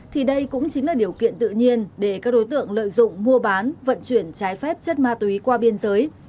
thì đây cũng chính là điều kiện tự nhiên để các đối tượng lợi dụng mua bán vận chuyển trái phép chất ma túy qua biên giới